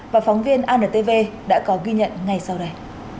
và phóng viên antv đã có ghi nhận ngay sau đây